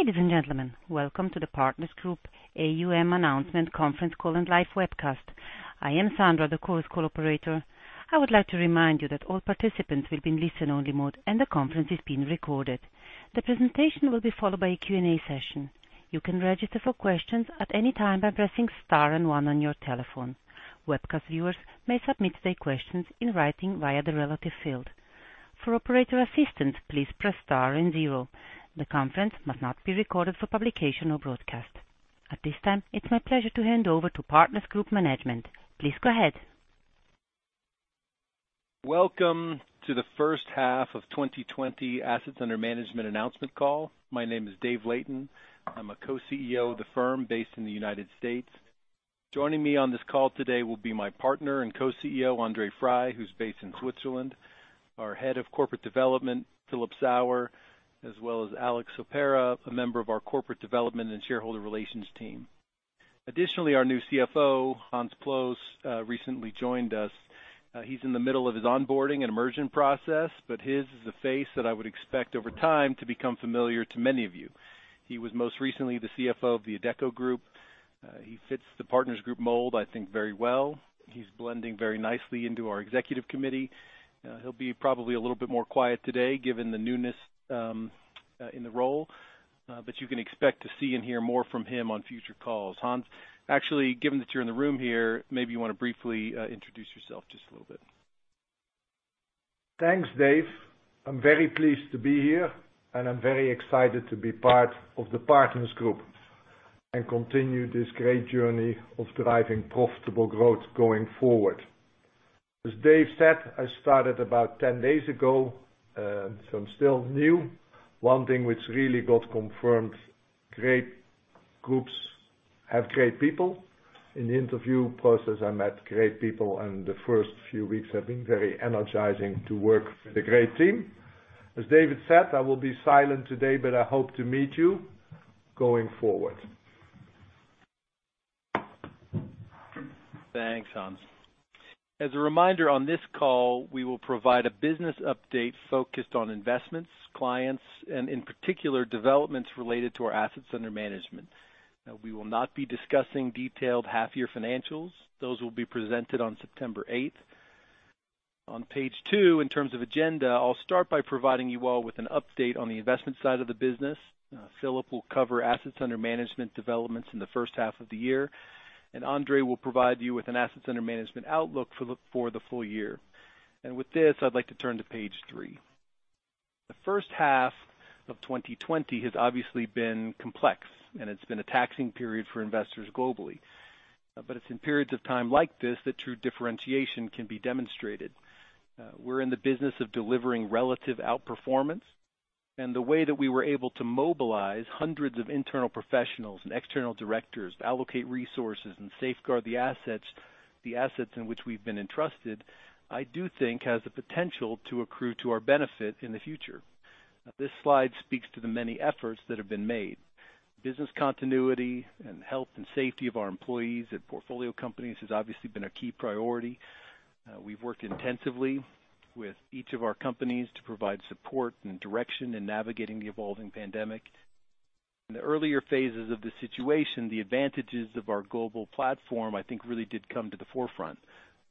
Ladies and gentlemen, welcome to the Partners Group AUM Announcement Conference Call and Live Webcast. I am Sandra, the conference call operator. I would like to remind you that all participants will be in listen-only mode, and the conference is being recorded. The presentation will be followed by a Q&A session. You can register for questions at any time by pressing star and one on your telephone. Webcast viewers may submit their questions in writing via the relevant field. For operator assistance, please press star and zero. The conference must not be recorded for publication or broadcast. At this time, it's my pleasure to hand over to Partners Group management. Please go ahead. Welcome to the first half of 2020 Assets Under Management Announcement Call. My name is Dave Layton. I'm a Co-CEO of the firm based in the United States. Joining me on this call today will be my partner and Co-CEO, André Frei, who's based in Switzerland, our Head of Corporate Development, Philip Sauer, as well as Alex Ospera, a member of our Corporate Development and Shareholder Relations team. Additionally, our new CFO, Hans Ploos, recently joined us. He's in the middle of his onboarding and immersion process, but his is a face that I would expect over time to become familiar to many of you. He was most recently the CFO of The Adecco Group. He fits the Partners Group mold, I think, very well. He's blending very nicely into our Executive Committee. He'll be probably a little bit quieter today given the newness in the role. You can expect to see and hear more from him on future calls. Hans, actually, given that you're in the room here, maybe you want to briefly introduce yourself just a little bit? Thanks, Dave. I'm very pleased to be here, and I'm very excited to be part of the Partners Group and continue this great journey of driving profitable growth going forward. As Dave said, I started about 10 days ago, so I'm still new. One thing which really got confirmed, great groups have great people. In the interview process, I met great people, and the first few weeks have been very energizing to work with a great team. As David said, I will be silent today, but I hope to meet you going forward. Thanks, Hans. As a reminder, on this call, we will provide a business update focused on investments, clients, and in particular, developments related to our assets under management. We will not be discussing detailed half-year financials. Those will be presented on September 8th. On page two, in terms of agenda, I'll start by providing you all with an update on the investment side of the business. Philip will cover assets under management developments in the first half of the year, André will provide you with an assets under management outlook for the full year. With this, I'd like to turn to page three. The first half of 2020 has obviously been complex, and it's been a taxing period for investors globally. It's in periods of time like this that true differentiation can be demonstrated. We're in the business of delivering relative outperformance, and the way that we were able to mobilize hundreds of internal professionals and external directors to allocate resources and safeguard the assets in which we've been entrusted, I do think has the potential to accrue to our benefit in the future. This slide speaks to the many efforts that have been made. Business continuity and health and safety of our employees at portfolio companies has obviously been a key priority. We've worked intensively with each of our companies to provide support and direction in navigating the evolving pandemic. In the earlier phases of this situation, the advantages of our global platform, I think, really did come to the forefront.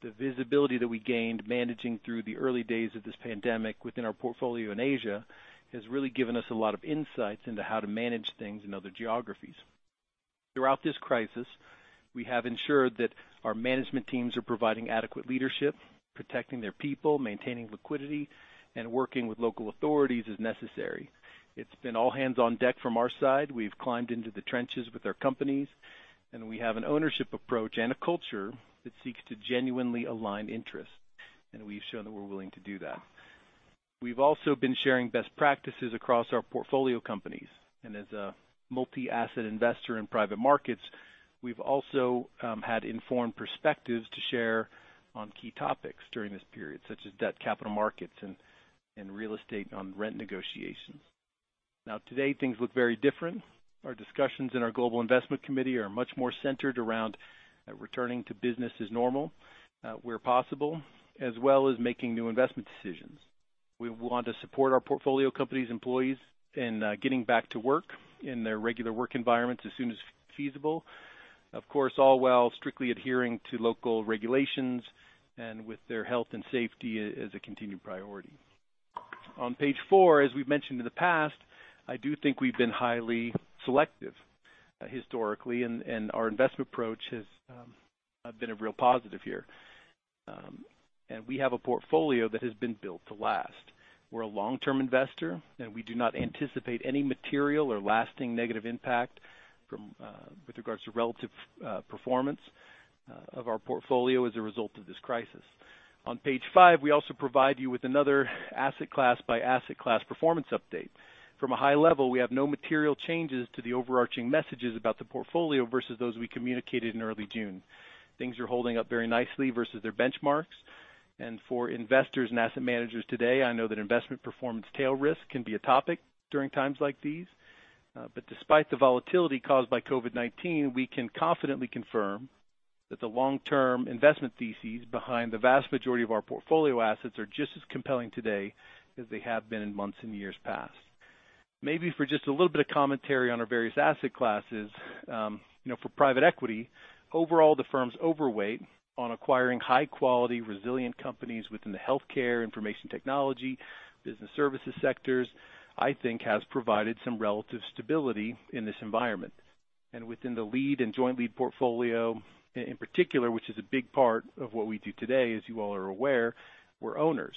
The visibility that we gained managing through the early days of this pandemic within our portfolio in Asia has really given us a lot of insights into how to manage things in other geographies. Throughout this crisis, we have ensured that our management teams are providing adequate leadership, protecting their people, maintaining liquidity, and working with local authorities as necessary. It's been all hands on deck from our side. We've climbed into the trenches with our companies, and we have an ownership approach and a culture that seeks to genuinely align interests, and we've shown that we're willing to do that. We've also been sharing best practices across our portfolio companies. As a multi-asset investor in private markets, we've also had informed perspectives to share on key topics during this period, such as debt capital markets and real estate on rent negotiations. Today, things look very different. Our discussions in our global investment committee are much more centered around returning to business as normal, where possible, as well as making new investment decisions. We want to support our portfolio companies' employees in getting back to work in their regular work environments as soon as feasible. All while strictly adhering to local regulations and with their health and safety as a continued priority. On page four, as we've mentioned in the past, I do think we've been highly selective historically, our investment approach has been a real positive here. We have a portfolio that has been built to last. We're a long-term investor, and we do not anticipate any material or lasting negative impact with regards to relative performance of our portfolio as a result of this crisis. On page five, we also provide you with another asset class by asset class performance update. From a high level, we have no material changes to the overarching messages about the portfolio versus those we communicated in early June. Things are holding up very nicely versus their benchmarks. For investors and asset managers today, I know that investment performance tail risk can be a topic during times like these. Despite the volatility caused by COVID-19, we can confidently confirm that the long-term investment theses behind the vast majority of our portfolio assets are just as compelling today as they have been in months and years past. Maybe for just a little bit of commentary on our various asset classes. For private equity, overall the firm's overweight on acquiring high quality, resilient companies within the healthcare, information technology, business services sectors, I think has provided some relative stability in this environment. Within the lead and joint lead portfolio in particular, which is a big part of what we do today as you all are aware, we're owners,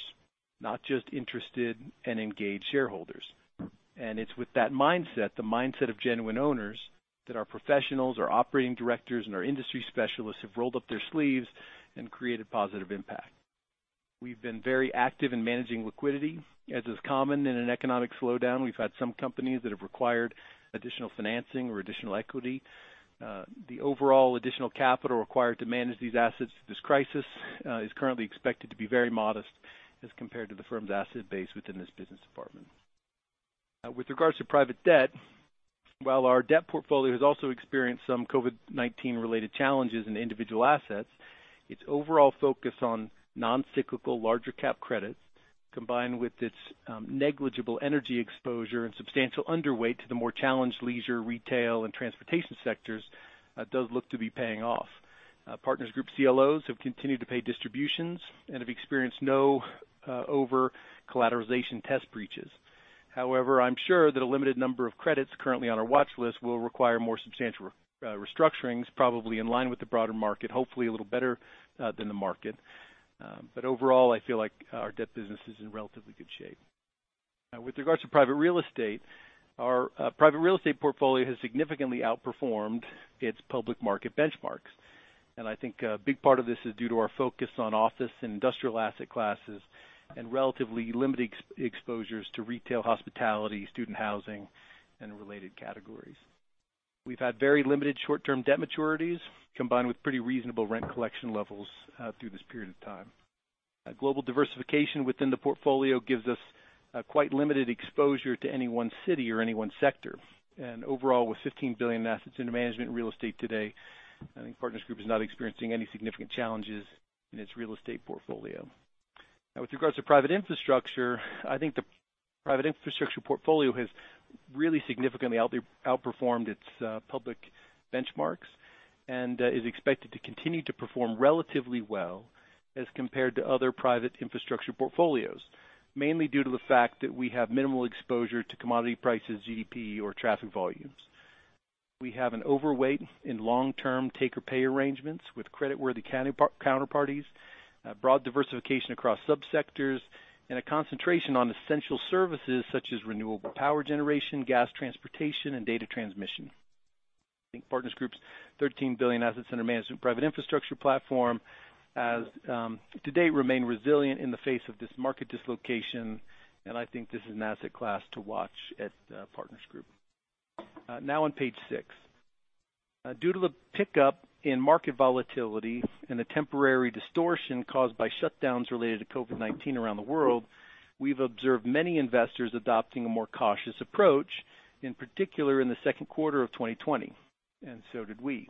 not just interested and engaged shareholders. It's with that mindset, the mindset of genuine owners, that our professionals, our operating directors, and our industry specialists have rolled up their sleeves and created positive impact. We've been very active in managing liquidity. As is common in an economic slowdown, we've had some companies that have required additional financing or additional equity. The overall additional capital required to manage these assets through this crisis is currently expected to be very modest as compared to the firm's asset base within this business department. With regards to private debt, while our debt portfolio has also experienced some COVID-19 related challenges in individual assets, its overall focus on non-cyclical, larger cap credits, combined with its negligible energy exposure and substantial underweight to the more challenged leisure, retail, and transportation sectors, does look to be paying off. Partners Group CLOs have continued to pay distributions and have experienced no overcollateralization test breaches. I'm sure that a limited number of credits currently on our watch list will require more substantial restructurings, probably in line with the broader market, hopefully a little better than the market. Overall, I feel like our debt business is in relatively good shape. With regards to private real estate, our private real estate portfolio has significantly outperformed its public market benchmarks, and I think a big part of this is due to our focus on office and industrial asset classes and relatively limited exposures to retail, hospitality, student housing, and related categories. We've had very limited short-term debt maturities combined with pretty reasonable rent collection levels through this period of time. Global diversification within the portfolio gives us quite limited exposure to any one city or any one sector. Overall, with 15 billion in assets under management in real estate today, I think Partners Group is not experiencing any significant challenges in its real estate portfolio. With regards to private infrastructure, I think the private infrastructure portfolio has really significantly outperformed its public benchmarks and is expected to continue to perform relatively well as compared to other private infrastructure portfolios, mainly due to the fact that we have minimal exposure to commodity prices, GDP, or traffic volumes. We have an overweight in long-term take-or-pay arrangements with creditworthy counterparties, broad diversification across sub-sectors, and a concentration on essential services such as renewable power generation, gas transportation, and data transmission. I think Partners Group's 13 billion AUM private infrastructure platform has to date remained resilient in the face of this market dislocation, and I think this is an asset class to watch at Partners Group. On page six. Due to the pickup in market volatility and the temporary distortion caused by shutdowns related to COVID-19 around the world, we've observed many investors adopting a more cautious approach, in particular in the second quarter of 2020. So did we.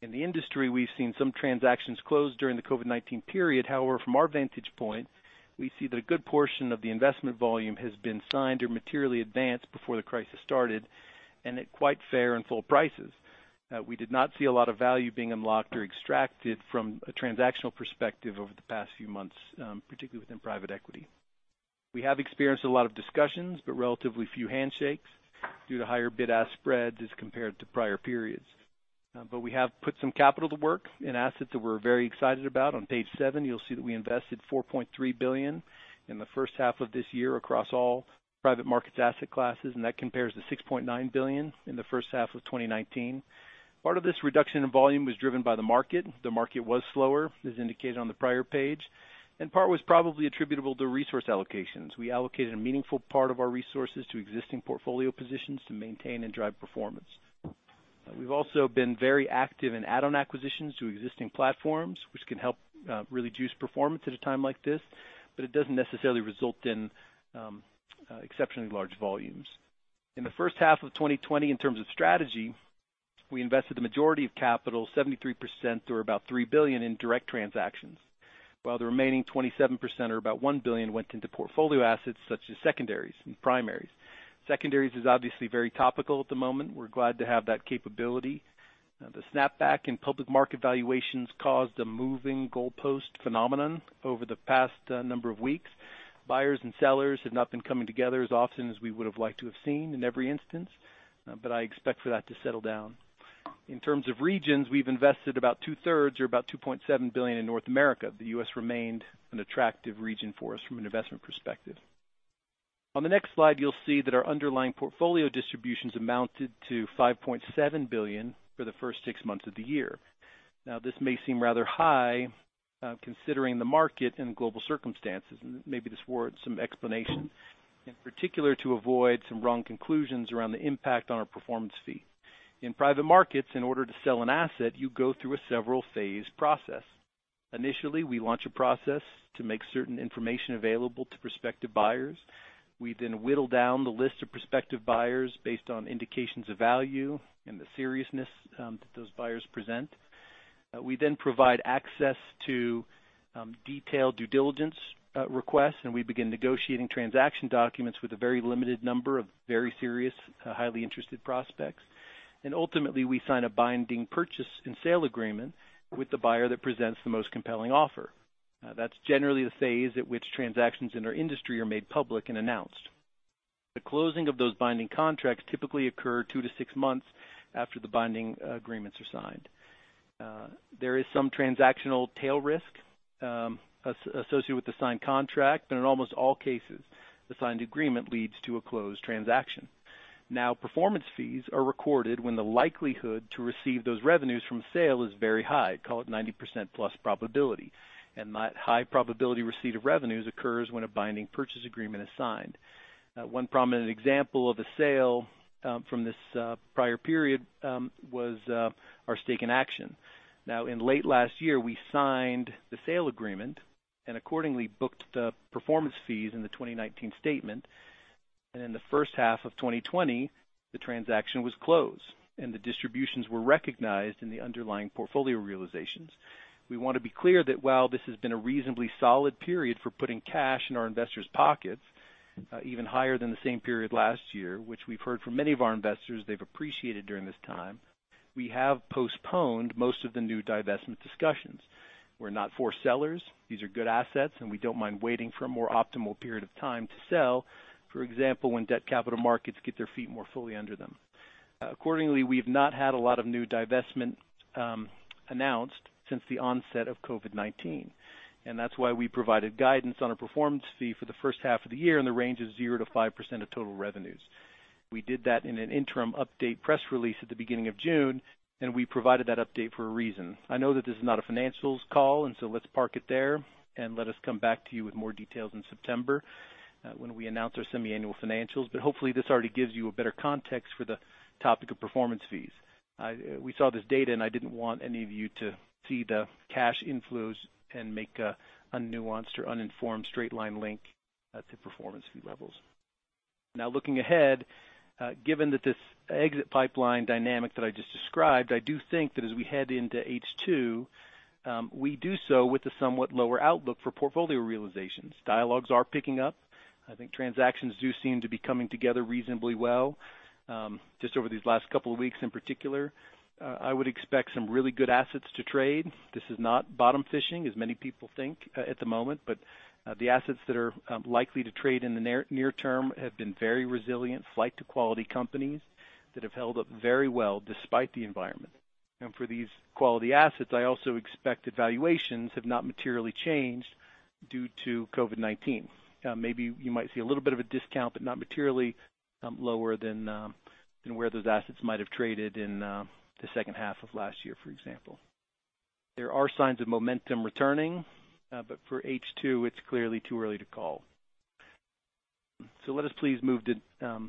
In the industry, we've seen some transactions close during the COVID-19 period. From our vantage point, we see that a good portion of the investment volume has been signed or materially advanced before the crisis started, at quite fair and full prices. We did not see a lot of value being unlocked or extracted from a transactional perspective over the past few months, particularly within private equity. We have experienced a lot of discussions, relatively few handshakes due to higher bid-ask spreads as compared to prior periods. We have put some capital to work in assets that we're very excited about. On page seven, you'll see that we invested 4.3 billion in the first half of this year across all private markets asset classes, and that compares to 6.9 billion in the first half of 2019. Part of this reduction in volume was driven by the market. The market was slower, as indicated on the prior page, and part was probably attributable to resource allocations. We allocated a meaningful part of our resources to existing portfolio positions to maintain and drive performance. We've also been very active in add-on acquisitions to existing platforms, which can help really juice performance at a time like this, but it doesn't necessarily result in exceptionally large volumes. In the first half of 2020, in terms of strategy, we invested the majority of capital, 73%, or about 3 billion in direct transactions, while the remaining 27%, or about $1 billion, went into portfolio assets such as secondaries and primaries. Secondaries is obviously very topical at the moment. We're glad to have that capability. The snapback in public market valuations caused a moving goalpost phenomenon over the past number of weeks. Buyers and sellers have not been coming together as often as we would have liked to have seen in every instance, I expect for that to settle down. In terms of regions, we've invested about two-thirds, or about $2.7 billion in North America. The U.S. remained an attractive region for us from an investment perspective. On the next slide, you'll see that our underlying portfolio distributions amounted to 5.7 billion for the first six months of the year. Now, this may seem rather high, considering the market and global circumstances, and maybe this warrants some explanation, in particular to avoid some wrong conclusions around the impact on our performance fee. In private markets, in order to sell an asset, you go through a several phase process. Initially, we launch a process to make certain information available to prospective buyers. We then whittle down the list of prospective buyers based on indications of value and the seriousness that those buyers present. We then provide access to detailed due diligence requests, and we begin negotiating transaction documents with a very limited number of very serious, highly interested prospects. Ultimately, we sign a binding purchase and sale agreement with the buyer that presents the most compelling offer. That's generally the phase at which transactions in our industry are made public and announced. The closing of those binding contracts typically occur 2-6 months after the binding agreements are signed. There is some transactional tail risk associated with the signed contract, but in almost all cases, the signed agreement leads to a closed transaction. Now, performance fees are recorded when the likelihood to receive those revenues from sale is very high, call it 90%+ probability. That high probability receipt of revenues occurs when a binding purchase agreement is signed. One prominent example of a sale from this prior period was our stake in Action. Now, in late last year, we signed the sale agreement and accordingly booked the performance fees in the 2019 statement. In the first half of 2020, the transaction was closed, and the distributions were recognized in the underlying portfolio realizations. We want to be clear that while this has been a reasonably solid period for putting cash in our investors' pockets, even higher than the same period last year, which we've heard from many of our investors they've appreciated during this time. We have postponed most of the new divestment discussions. We're not forced sellers. These are good assets. We don't mind waiting for a more optimal period of time to sell. For example, when debt capital markets get their feet more fully under them. Accordingly, we've not had a lot of new divestment announced since the onset of COVID-19. That's why we provided guidance on a performance fee for the first half of the year in the range of 0%-5% of total revenues. We did that in an interim update press release at the beginning of June. We provided that update for a reason. I know that this is not a financials call, and so let's park it there and let us come back to you with more details in September when we announce our semi-annual financials. Hopefully, this already gives you a better context for the topic of performance fees. We saw this data, and I didn't want any of you to see the cash inflows and make an unnuanced or uninformed straight line link to performance fee levels. Looking ahead, given that this exit pipeline dynamic that I just described, I do think that as we head into H2, we do so with a somewhat lower outlook for portfolio realizations. Dialogues are picking up. I think transactions do seem to be coming together reasonably well, just over these last couple of weeks in particular. I would expect some really good assets to trade. This is not bottom fishing as many people think at the moment, but the assets that are likely to trade in the near term have been very resilient flight to quality companies that have held up very well despite the environment. For these quality assets, I also expect that valuations have not materially changed due to COVID-19. Maybe you might see a little bit of a discount, but not materially lower than where those assets might have traded in the second half of last year, for example. There are signs of momentum returning. For H2, it's clearly too early to call. Let us please move to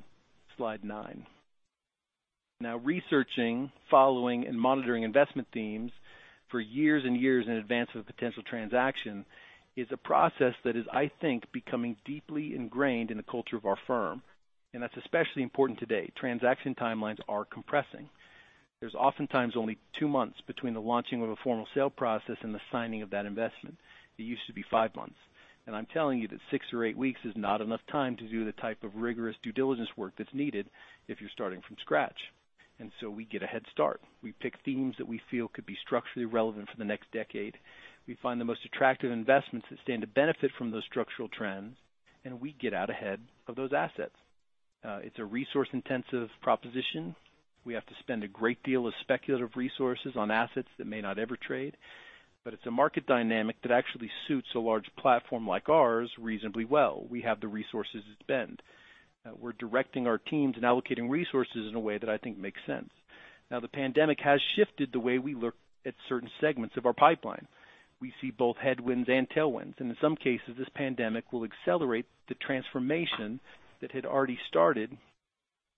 slide nine. Now, researching, following, and monitoring investment themes for years and years in advance of a potential transaction is a process that is, I think, becoming deeply ingrained in the culture of our firm, and that's especially important today. Transaction timelines are compressing. There's oftentimes only two months between the launching of a formal sale process and the signing of that investment. It used to be five months. I'm telling you that six or eight weeks is not enough time to do the type of rigorous due diligence work that's needed if you're starting from scratch. We get a head start. We pick themes that we feel could be structurally relevant for the next decade. We find the most attractive investments that stand to benefit from those structural trends, and we get out ahead of those assets. It's a resource-intensive proposition. We have to spend a great deal of speculative resources on assets that may not ever trade. It's a market dynamic that actually suits a large platform like ours reasonably well. We have the resources to spend. We're directing our teams and allocating resources in a way that I think makes sense. The pandemic has shifted the way we look at certain segments of our pipeline. We see both headwinds and tailwinds. In some cases, this pandemic will accelerate the transformation that had already started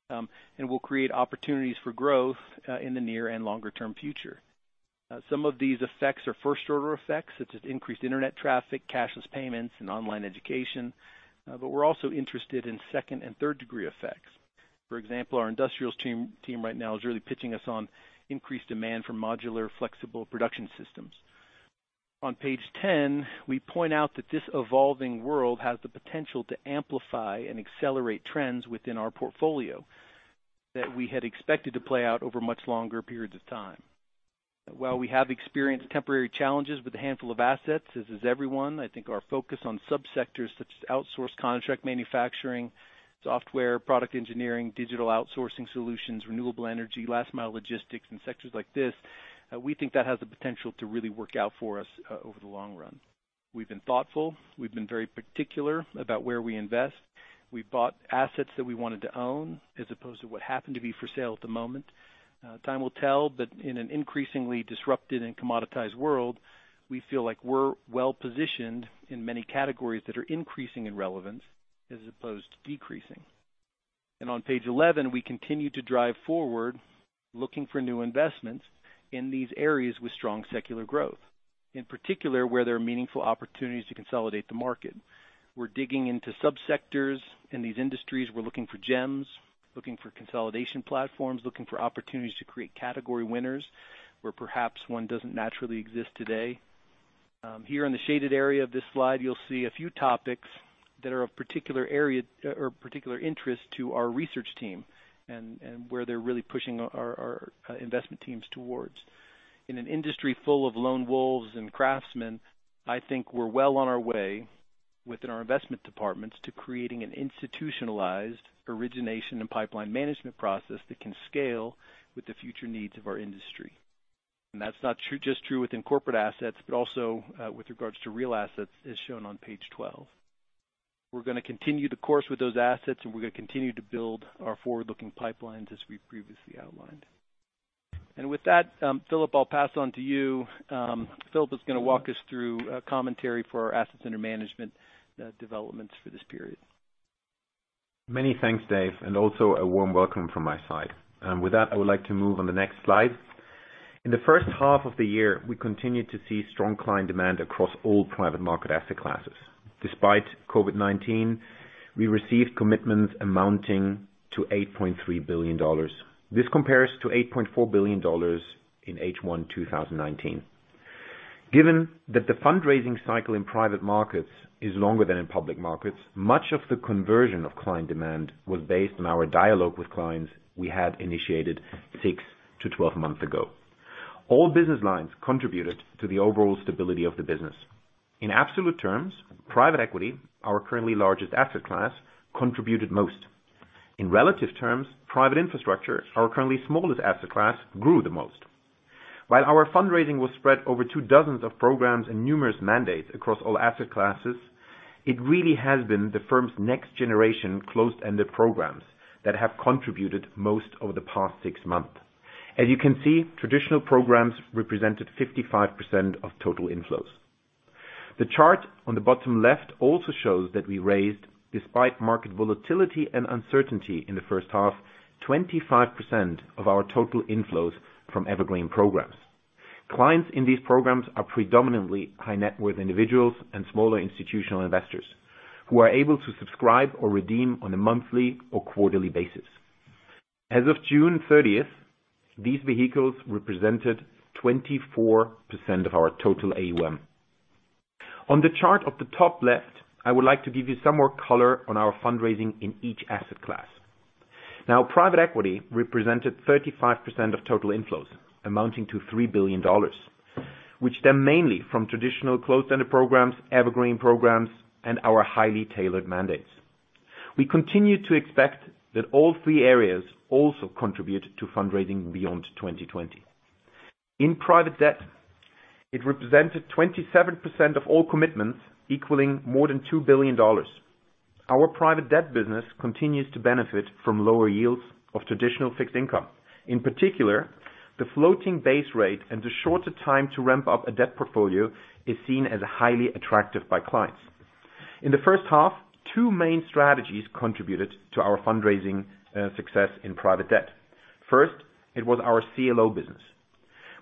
and will create opportunities for growth in the near and longer-term future. Some of these effects are first order effects, such as increased internet traffic, cashless payments, and online education. We're also interested in second and third degree effects. For example, our industrials team right now is really pitching us on increased demand for modular flexible production systems. On page 10, we point out that this evolving world has the potential to amplify and accelerate trends within our portfolio that we had expected to play out over much longer periods of time. While we have experienced temporary challenges with a handful of assets, as has everyone, I think our focus on sub-sectors such as outsourced contract manufacturing, software, product engineering, digital outsourcing solutions, renewable energy, last mile logistics, and sectors like this, we think that has the potential to really work out for us over the long run. We've been thoughtful. We've been very particular about where we invest. We've bought assets that we wanted to own as opposed to what happened to be for sale at the moment. Time will tell, but in an increasingly disrupted and commoditized world, we feel like we're well-positioned in many categories that are increasing in relevance as opposed to decreasing. On page 11, we continue to drive forward looking for new investments in these areas with strong secular growth, in particular, where there are meaningful opportunities to consolidate the market. We're digging into sub-sectors in these industries. We're looking for gems, looking for consolidation platforms, looking for opportunities to create category winners where perhaps one doesn't naturally exist today. Here in the shaded area of this slide, you'll see a few topics that are of particular interest to our research team and where they're really pushing our investment teams towards. In an industry full of lone wolves and craftsmen, I think we're well on our way within our investment departments to creating an institutionalized origination and pipeline management process that can scale with the future needs of our industry. That's not just true within corporate assets, but also with regards to real assets, as shown on page 12. We're going to continue the course with those assets, we're going to continue to build our forward-looking pipelines as we've previously outlined. With that, Philip, I'll pass on to you. Philip is going to walk us through a commentary for our asset under management developments for this period. Many thanks, Dave, also a warm welcome from my side. With that, I would like to move on the next slide. In the first half of the year, we continued to see strong client demand across all private market asset classes. Despite COVID-19, we received commitments amounting to CHF 8.3 billion. This compares to CHF 8.4 billion in H1 2019. Given that the fundraising cycle in private markets is longer than in public markets, much of the conversion of client demand was based on our dialogue with clients we had initiated 6 to 12 months ago. All business lines contributed to the overall stability of the business. In absolute terms, private equity, our currently largest asset class, contributed most. In relative terms, private infrastructure, our currently smallest asset class, grew the most. While our fundraising was spread over 2 dozens of programs and numerous mandates across all asset classes, it really has been the firm's next-generation closed-ended programs that have contributed most over the past six months. As you can see, traditional programs represented 55% of total inflows. The chart on the bottom left also shows that we raised, despite market volatility and uncertainty in the first half, 25% of our total inflows from evergreen programs. Clients in these programs are predominantly high-net-worth individuals and smaller institutional investors who are able to subscribe or redeem on a monthly or quarterly basis. As of June 30th, these vehicles represented 24% of our total AUM. On the chart at the top left, I would like to give you some more color on our fundraising in each asset class. Now, private equity represented 35% of total inflows, amounting to CHF 3 billion, which stem mainly from traditional closed-ended programs, evergreen programs, and our highly tailored mandates. We continue to expect that all three areas also contribute to fundraising beyond 2020. In private debt, it represented 27% of all commitments, equaling more than CHF 2 billion. Our private debt business continues to benefit from lower yields of traditional fixed income. In particular, the floating base rate and the shorter time to ramp up a debt portfolio is seen as highly attractive by clients. In the first half, two main strategies contributed to our fundraising success in private debt. First, it was our CLO business.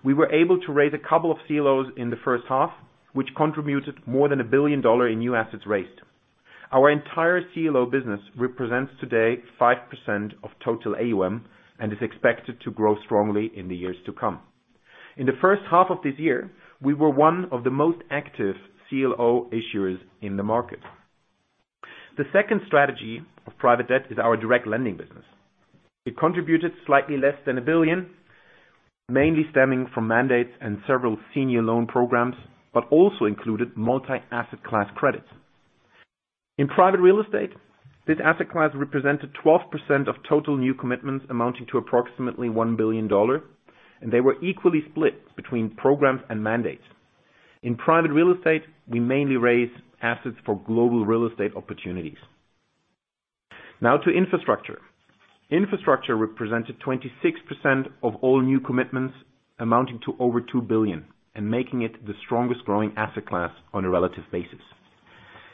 We were able to raise a couple of CLOs in the first half, which contributed more than 1 billion dollar in new assets raised. Our entire CLO business represents today 5% of total AUM and is expected to grow strongly in the years to come. In the first half of this year, we were one of the most active CLO issuers in the market. The second strategy of private debt is our direct lending business. It contributed slightly less than 1 billion, mainly stemming from mandates and several senior loan programs, but also included multi-asset class credits. In private real estate, this asset class represented 12% of total new commitments amounting to approximately CHF 1 billion, and they were equally split between programs and mandates. In private real estate, we mainly raise assets for global real estate opportunities. Now to Infrastructure. Infrastructure represented 26% of all new commitments amounting to over 2 billion and making it the strongest-growing asset class on a relative basis.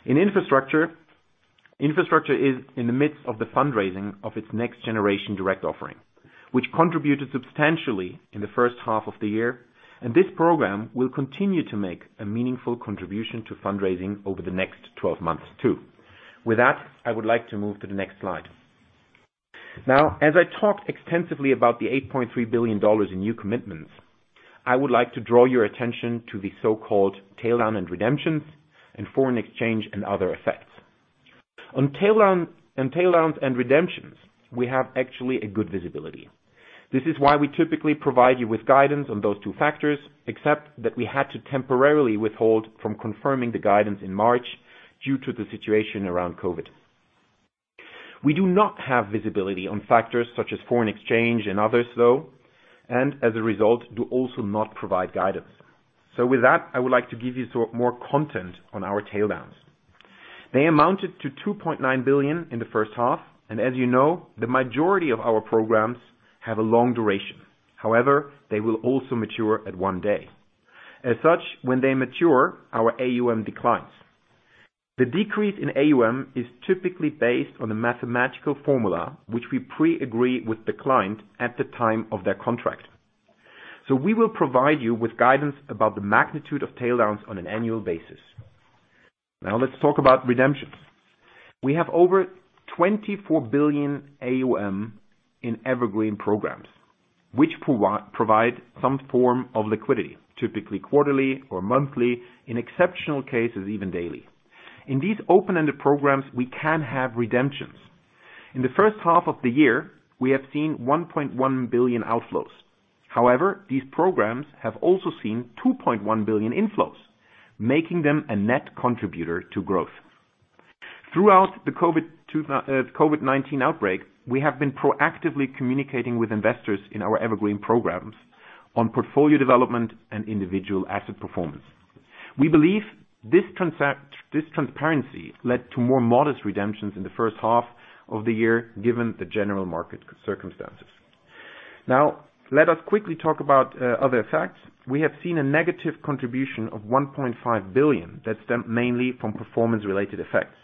Infrastructure is in the midst of the fundraising of its next-generation direct offering, which contributed substantially in the first half of the year. This program will continue to make a meaningful contribution to fundraising over the next 12 months, too. With that, I would like to move to the next slide. As I talked extensively about the $8.3 billion in new commitments, I would like to draw your attention to the so-called tail down and redemptions and foreign exchange and other effects. On tail downs and redemptions, we have actually a good visibility. This is why we typically provide you with guidance on those two factors, except that we had to temporarily withhold from confirming the guidance in March due to the situation around COVID-19. We do not have visibility on factors such as foreign exchange and others, though. As a result, do also not provide guidance. With that, I would like to give you some more content on our tail downs. They amounted to $2.9 billion in the first half, and as you know, the majority of our programs have a long duration. However, they will also mature at one day. As such, when they mature, our AUM declines. The decrease in AUM is typically based on a mathematical formula which we pre-agree with the client at the time of their contract. We will provide you with guidance about the magnitude of tail downs on an annual basis. Now let's talk about redemptions. We have over 24 billion AUM in evergreen programs, which provide some form of liquidity, typically quarterly or monthly, in exceptional cases even daily. In these open-ended programs, we can have redemptions. In the first half of the year, we have seen 1.1 billion outflows. These programs have also seen 2.1 billion inflows, making them a net contributor to growth. Throughout the COVID-19 outbreak, we have been proactively communicating with investors in our evergreen programs on portfolio development and individual asset performance. We believe this transparency led to more modest redemptions in the first half of the year, given the general market circumstances. Let us quickly talk about other effects. We have seen a negative contribution of 1.5 billion. That stem mainly from performance related effects.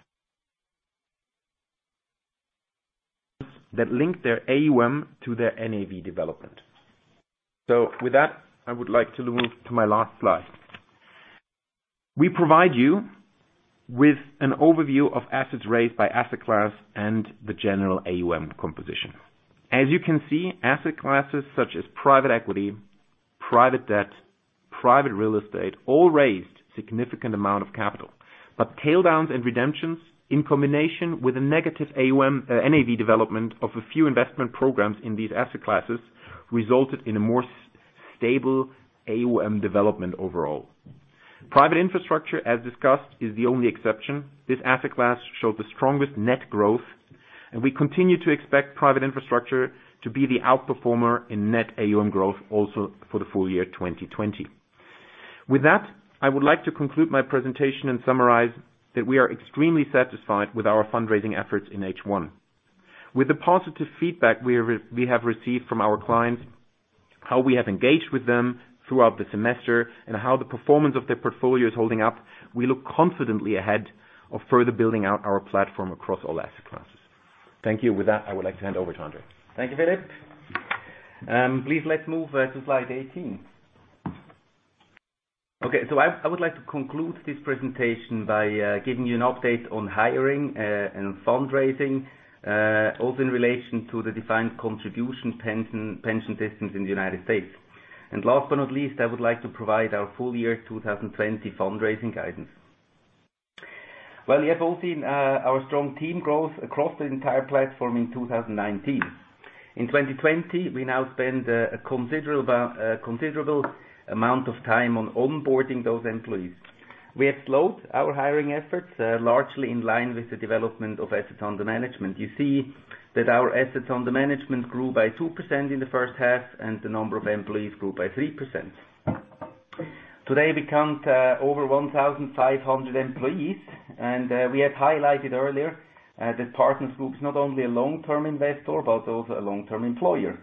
That link their AUM to their NAV development. With that, I would like to move to my last slide. We provide you with an overview of assets raised by asset class and the general AUM composition. As you can see, asset classes such as private equity, private debt, private real estate all raised significant amount of capital. Taildowns and redemptions, in combination with a negative AUM, NAV development of a few investment programs in these asset classes, resulted in a more stable AUM development overall. Private infrastructure, as discussed, is the only exception. This asset class showed the strongest net growth, and we continue to expect private infrastructure to be the outperformer in net AUM growth also for the full year 2020. With that, I would like to conclude my presentation and summarize that we are extremely satisfied with our fundraising efforts in H1. With the positive feedback we have received from our clients, how we have engaged with them throughout the semester, and how the performance of their portfolio is holding up, we look confidently ahead of further building out our platform across all asset classes. Thank you. With that, I would like to hand over to André. Thank you, Philipp. Please, let's move to slide 18. I would like to conclude this presentation by giving you an update on hiring and fundraising, also in relation to the defined contribution pension systems in the U.S. Last but not least, I would like to provide our full year 2020 fundraising guidance. Well, you have all seen our strong team growth across the entire platform in 2019. In 2020, we now spend a considerable amount of time on onboarding those employees. We have slowed our hiring efforts, largely in line with the development of assets under management. You see that our assets under management grew by 2% in the first half, and the number of employees grew by 3%. Today, we count over 1,500 employees, and we have highlighted earlier that Partners Group is not only a long-term investor, but also a long-term employer.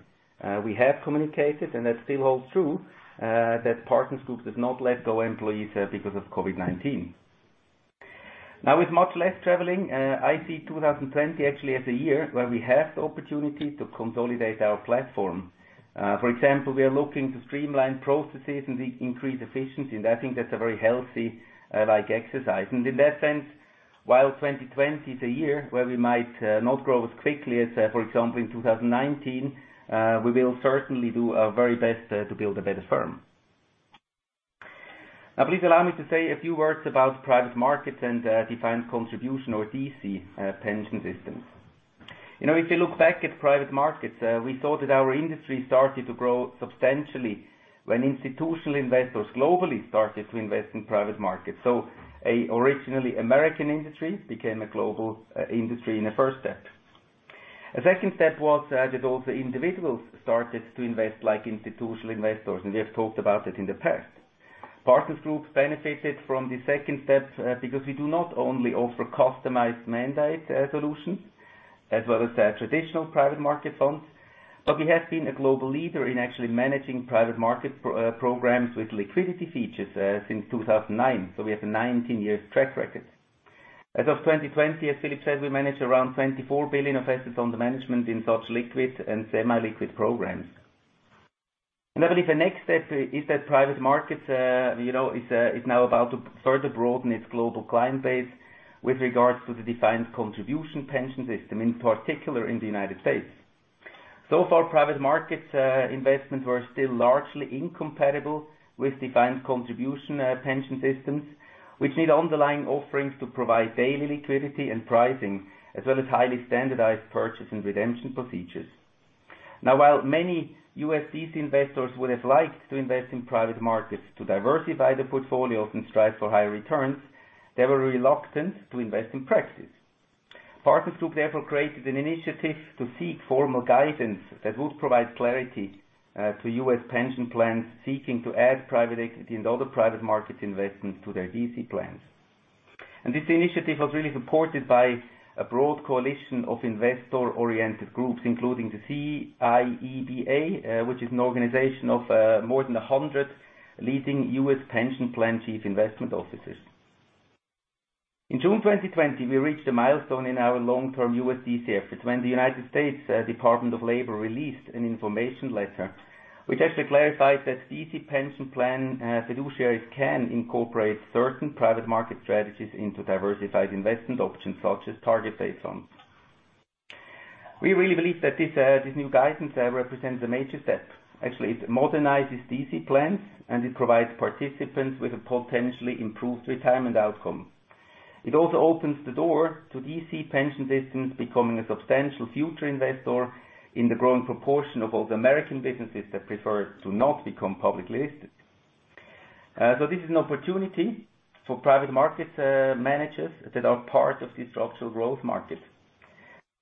We have communicated, and that still holds true, that Partners Group does not let go employees because of COVID-19. With much less traveling, I see 2020 actually as a year where we have the opportunity to consolidate our platform. For example, we are looking to streamline processes and increase efficiency, and I think that's a very healthy exercise. In that sense, while 2020 is a year where we might not grow as quickly as, for example, in 2019, we will certainly do our very best to build a better firm. Please allow me to say a few words about private markets and defined contribution, or DC, pension systems. If you look back at private markets, we saw that our industry started to grow substantially when institutional investors globally started to invest in private markets. Originally American industry became a global industry in a first step. A second step was that also individuals started to invest like institutional investors. We have talked about it in the past. Partners Group benefited from the second step because we do not only offer customized mandate solutions as well as traditional private market funds, but we have been a global leader in actually managing private market programs with liquidity features since 2009. We have a 19-year track record. As of 2020, as Philipp said, we manage around 24 billion of assets under management in such liquid and semi-liquid programs. I believe the next step is that private markets is now about to further broaden its global client base with regards to the defined contribution pension system, in particular in the United States. Private markets investments were still largely incompatible with defined contribution pension systems, which need underlying offerings to provide daily liquidity and pricing, as well as highly standardized purchase and redemption procedures. While many U.S. D.C. investors would have liked to invest in private markets to diversify their portfolios and strive for higher returns, they were reluctant to invest in practice. Partners Group therefore created an initiative to seek formal guidance that would provide clarity to U.S. pension plans seeking to add private equity and other private market investments to their D.C. plans. This initiative was really supported by a broad coalition of investor-oriented groups, including the CIEBA, which is an organization of more than 100 leading U.S. pension plan chief investment officers. In June 2020, we reached a milestone in our long-term U.S. DC efforts when the United States Department of Labor released an information letter, which actually clarified that DC pension plan fiduciaries can incorporate certain private market strategies into diversified investment options such as target date funds. We really believe that this new guidance represents a major step. Actually, it modernizes DC plans, and it provides participants with a potentially improved retirement outcome. It also opens the door to DC pension systems becoming a substantial future investor in the growing proportion of all the American businesses that prefer to not become publicly listed. This is an opportunity for private markets managers that are part of this structural growth market.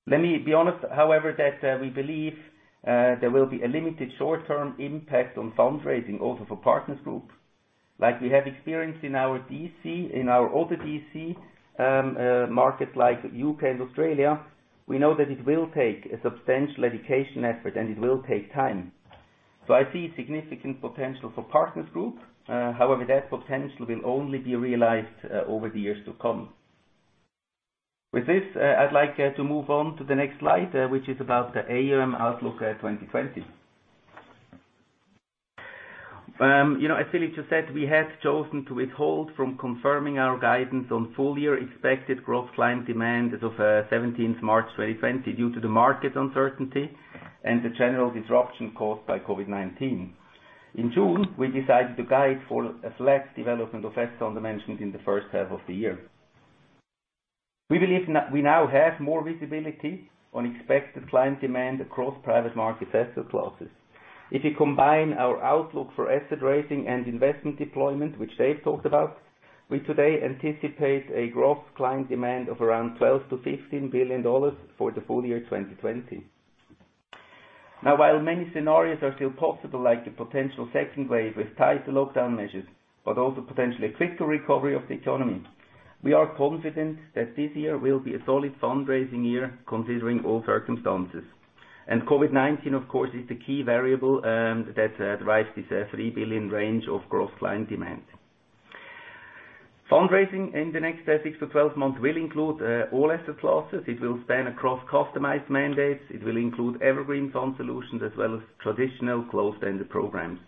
Let me be honest, however, that we believe there will be a limited short-term impact on fundraising also for Partners Group. Like we have experienced in our other D.C. markets like U.K. and Australia, we know that it will take a substantial education effort, and it will take time. I see significant potential for Partners Group. However, that potential will only be realized over the years to come. With this, I'd like to move on to the next slide, which is about the AUM outlook 2020. As Philip just said, we had chosen to withhold from confirming our guidance on full-year expected gross client demand as of 17th March 2020 due to the market uncertainty and the general disruption caused by COVID-19. In June, we decided to guide for a flat development of asset under management in the first half of the year. We believe we now have more visibility on expected client demand across private market asset classes. If you combine our outlook for asset raising and investment deployment, which Dave talked about, we today anticipate a gross client demand of around CHF 12 billion-CHF 15 billion for the full year 2020. While many scenarios are still possible, like a potential second wave with tighter lockdown measures, but also potentially a quicker recovery of the economy, we are confident that this year will be a solid fundraising year considering all circumstances. COVID-19, of course, is the key variable that drives this 3 billion range of gross client demand. Fundraising in the next 6-12 months will include all asset classes. It will span across customized mandates. It will include evergreen fund solutions, as well as traditional closed-ended programs.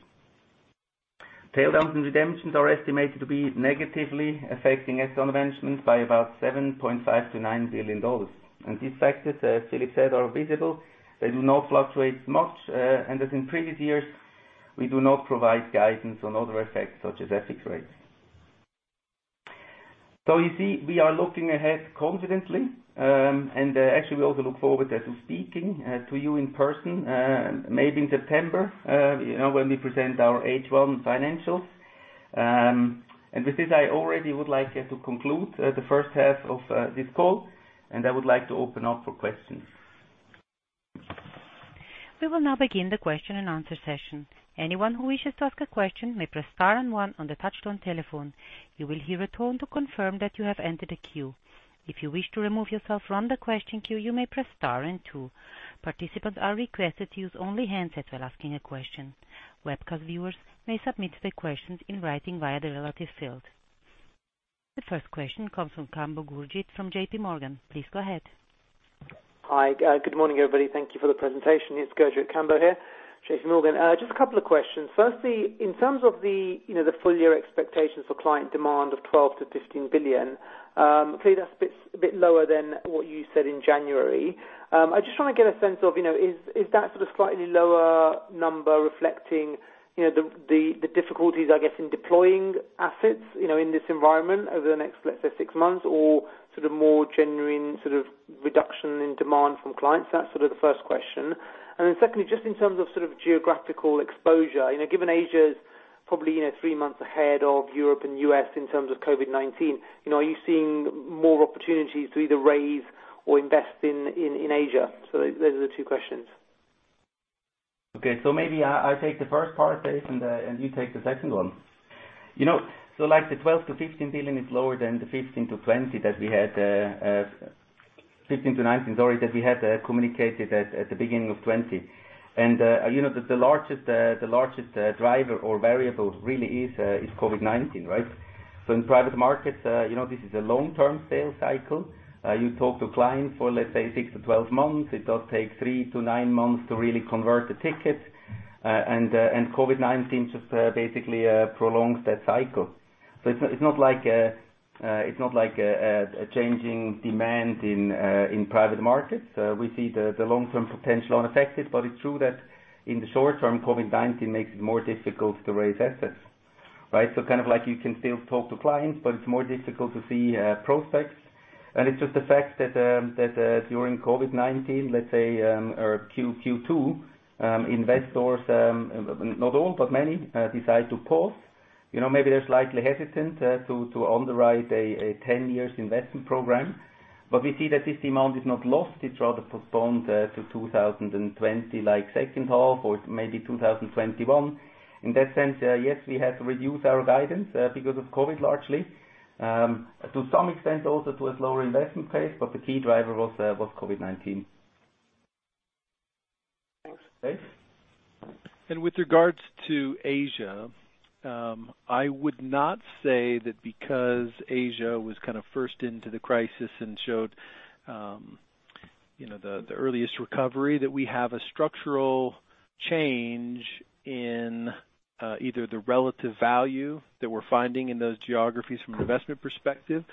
Taildowns and redemptions are estimated to be negatively affecting asset management by about CHF 7.5 billion-CHF 9 billion. These factors, as Philip said, are visible. They do not fluctuate much, and as in previous years, we do not provide guidance on other effects such as FX rates. You see, we are looking ahead confidently, and actually, we also look forward to speaking to you in person, maybe in September, when we present our H1 financials. With this, I already would like to conclude the first half of this call, and I would like to open up for questions. We will now begin the question and answer session. Anyone who wishes to ask a question may press star and one on the touchtone telephone. You will hear a tone to confirm that you have entered a queue. If you wish to remove yourself from the question queue, you may press star and two. Participants are requested to use only handsets while asking a question. Webcast viewers may submit their questions in writing via the relative field. The first question comes from Kambo Gurjit from J.P. Morgan. Please go ahead. Hi. Good morning, everybody. Thank you for the presentation. It's Gurjit Kambo here, JPMorgan. Just a couple of questions. Firstly, in terms of the full year expectations for client demand of 12 billion-15 billion, clearly that's a bit lower than what you said in January. I just want to get a sense of, is that sort of slightly lower number reflecting the difficulties, I guess, in deploying assets in this environment over the next, let's say, six months, or sort of more genuine sort of reduction in demand from clients? That's sort of the first question. Secondly, just in terms of sort of geographical exposure, given Asia is probably three months ahead of Europe and U.S. in terms of COVID-19, are you seeing more opportunities to either raise or invest in Asia? Those are the two questions. Okay, maybe I take the first part, Dave, and you take the second one. Like the 12 billion-15 billion is lower than the 15 billion-19 billion that we had communicated at the beginning of 2020. The largest driver or variable really is COVID-19, right? In private markets, this is a long-term sales cycle. You talk to clients for, let's say, six to 12 months. It does take three to nine months to really convert a ticket, and COVID-19 just basically prolongs that cycle. It's not like a changing demand in private markets. We see the long-term potential unaffected, but it's true that in the short-term, COVID-19 makes it more difficult to raise assets, right? Kind of like you can still talk to clients, but it's more difficult to see prospects. It's just the fact that during COVID-19, let's say Q2, investors, not all, but many, decide to pause. Maybe they're slightly hesitant to underwrite a 10 years investment program. We see that this amount is not lost. It's rather postponed to 2020, second half or maybe 2021. In that sense, yes, we had to reduce our guidance because of COVID, largely, to some extent also to a slower investment pace, but the key driver was COVID-19. Thanks. Dave? With regards to Asia, I would not say that because Asia was kind of first into the crisis and showed the earliest recovery, that we have a structural change in either the relative value that we're finding in those geographies from an investment perspective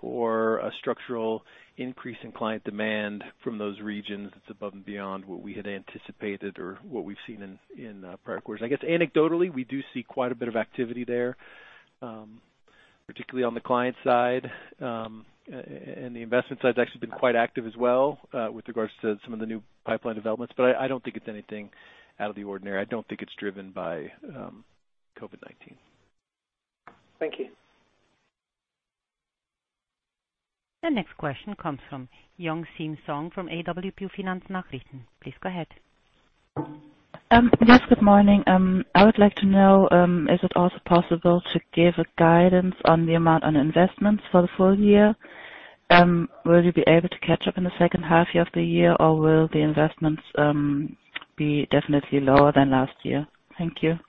or a structural increase in client demand from those regions that's above and beyond what we had anticipated or what we've seen in prior quarters. I guess anecdotally, we do see quite a bit of activity there, particularly on the client side. The investment side has actually been quite active as well, with regards to some of the new pipeline developments, but I don't think it's anything out of the ordinary. I don't think it's driven by COVID-19. Thank you. The next question comes from Yong Seam Song from AWP Finanznachrichten. Please go ahead. Yes, good morning. I would like to know, is it also possible to give a guidance on the amount on investments for the full year? Will you be able to catch up in the second half of the year or will the investments be definitely lower than last year? Thank you.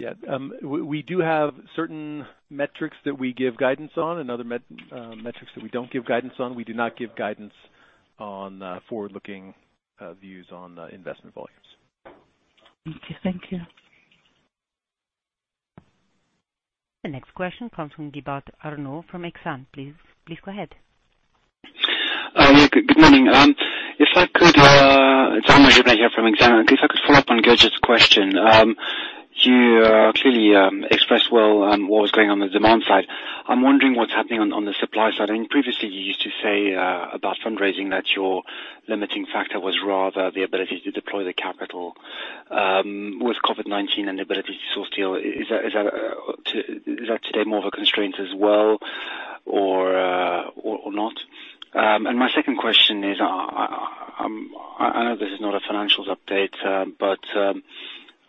Yeah. We do have certain metrics that we give guidance on and other metrics that we don't give guidance on. We do not give guidance on forward-looking views on investment volumes. Okay. Thank you. The next question comes from Arnaud Giblat from Exane. Please go ahead. Yeah. Good morning. It's Arnaud Giblat here from Exane. If I could follow up on Gurjit's question. You clearly expressed well on what was going on the demand side. I'm wondering what's happening on the supply side. I think previously you used to say about fundraising that your limiting factor was rather the ability to deploy the capital. With COVID-19 and the ability to source deal, is that today more of a constraint as well or not? My second question is, I know this is not a financials update,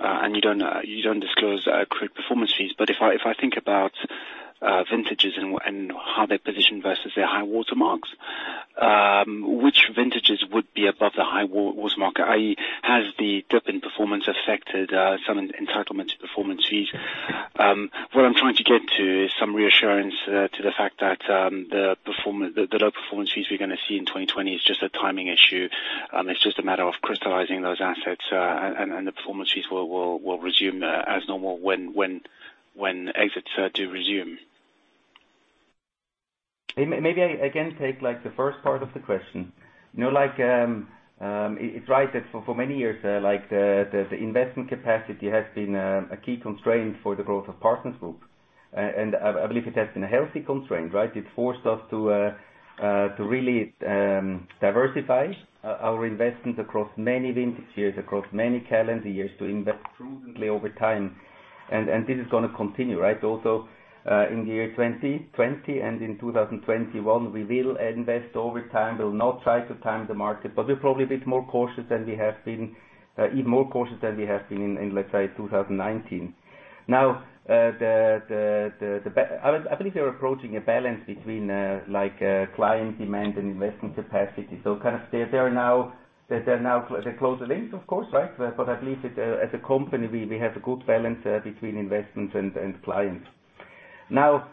and you don't disclose accrued performance fees, but if I think about vintages and how they're positioned versus their high-water marks, which vintages would be above the high-water mark? i.e. has the dip in performance affected some entitlement to performance fees? Where I'm trying to get to is some reassurance to the fact that the low performance fees we're going to see in 2020 is just a timing issue. It's just a matter of crystallizing those assets. The performance fees will resume as normal when exits do resume. Maybe I, again, take the first part of the question. It's right that for many years, the investment capacity has been a key constraint for the growth of Partners Group. I believe it has been a healthy constraint, right? It forced us to really diversify our investments across many vintage years, across many calendar years to invest prudently over time. This is going to continue, right? Also, in the year 2020 and in 2021, we will invest over time. We'll not try to time the market, but we're probably a bit more cautious than we have been, even more cautious than we have been in, let's say, 2019. Now, I believe you're approaching a balance between client demand and investment capacity. They're now closely linked, of course, right? I believe as a company, we have a good balance between investments and clients. Now,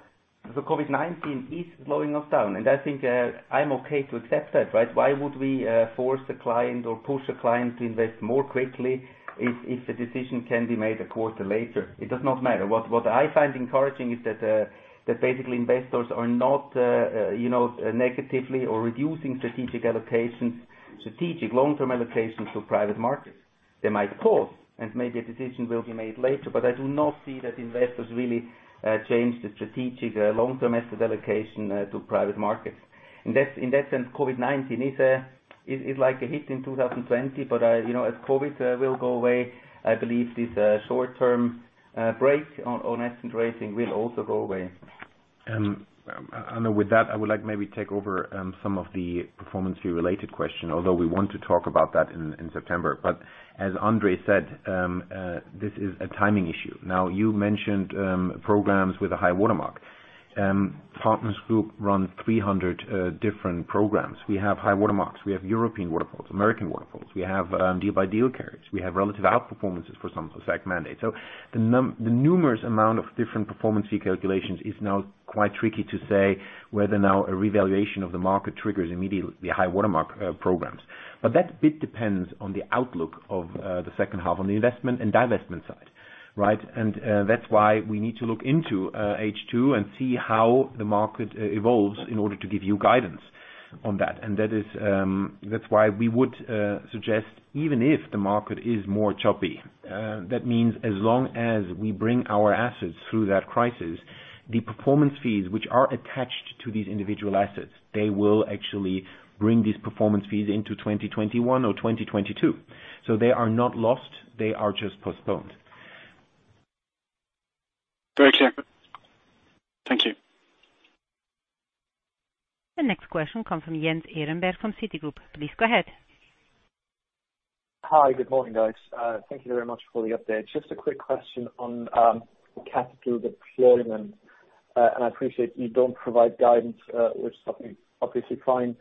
the COVID-19 is slowing us down, and I think I'm okay to accept that, right? Why would we force a client or push a client to invest more quickly if the decision can be made a quarter later? It does not matter. What I find encouraging is that basically investors are not negatively or reducing strategic allocations, strategic long-term allocations to private markets. They might pause, and maybe a decision will be made later, but I do not see that investors really change the strategic long-term asset allocation to private markets. In that sense, COVID-19 is like a hit in 2020, but as COVID will go away, I believe this short-term break on asset raising will also go away. With that, I would like maybe take over some of the performance fee related question, although we want to talk about that in September. As André said, this is a timing issue. Now, you mentioned programs with a high-water mark. Partners Group run 300 different programs. We have high-water marks. We have European waterfall, American waterfall. We have deal-by-deal carry. We have relative outperformance for some of that mandate. The numerous amount of different performance fee calculations is now quite tricky to say whether now a revaluation of the market triggers immediately the high-water mark programs. That bit depends on the outlook of the second half on the investment and divestment side, right? That's why we need to look into H2 and see how the market evolves in order to give you guidance on that. That's why we would suggest, even if the market is more choppy, that means as long as we bring our assets through that crisis, the performance fees which are attached to these individual assets, they will actually bring these performance fees into 2021 or 2022. They are not lost, they are just postponed. Very clear. Thank you. The next question come from Jens Ehrenberg from Citigroup. Please go ahead. Hi. Good morning, guys. Thank you very much for the update. Just a quick question on capital deployment. I appreciate you don't provide guidance, which is obviously fine.